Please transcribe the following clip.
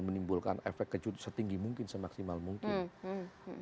dan menimbulkan efek kejut setinggi mungkin semaksimal mungkin